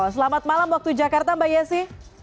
selamat malam waktu jakarta mbak yesi